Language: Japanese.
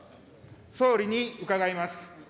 総理に伺います。